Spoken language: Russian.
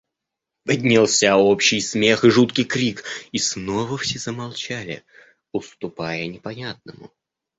Поднялся общий смех и жуткий крик — и снова все замолчали, уступая непонятному.